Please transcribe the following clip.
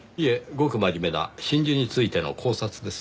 ごく真面目な真珠についての考察です。